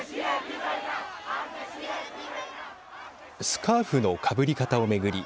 スカーフのかぶり方を巡り